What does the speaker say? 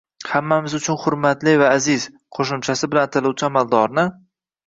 «Hammamiz uchun hurmatli va aziz» qo‘shimchasi bilan ataluvchi amaldorni...